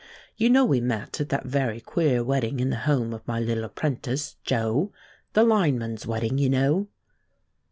You know we met at that very queer wedding in the home of my little apprentice, Joe the line man's wedding, you know."